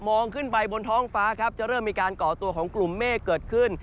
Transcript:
ขึ้นไปบนท้องฟ้าครับจะเริ่มมีการก่อตัวของกลุ่มเมฆเกิดขึ้น